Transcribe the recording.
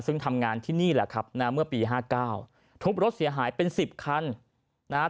ซึ่งทำงานที่นี่แหละครับนะเมื่อปี๕๙ทุบรถเสียหายเป็นสิบคันนะฮะ